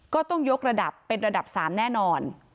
ก็ต้องยกระดับเป็นระดับ๓แน่นอน